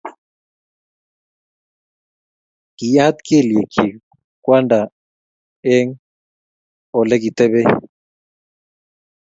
Kiyaat kelyekchik Kwanda eng olegitebei